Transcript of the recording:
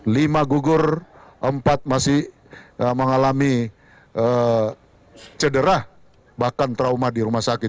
lima gugur empat masih mengalami cederah bahkan trauma di rumah sakit